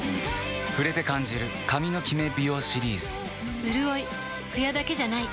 触れて感じる髪のキメ美容シリーズうるおいツヤだけじゃない。